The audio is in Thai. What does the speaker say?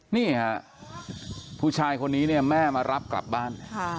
นี่ค่ะผู้ชายคนนี้เนี่ยแม่มารับกลับบ้าน